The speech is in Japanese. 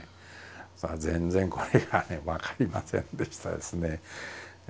それが全然これがね分かりませんでしたですね。